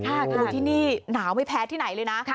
ถ้าดูที่นี่หนาวไม่แพ้ที่ไหนเลยนะ